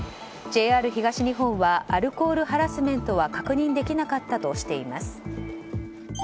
ＪＲ東日本はアルコールハラスメントは確認できなかったとしています。